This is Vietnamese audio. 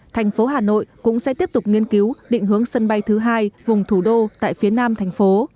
thành phố hà nội cũng sẽ tiếp tục nghiên cứu định hướng sân bay thứ hai vùng thủ đô tại phía nam thành phố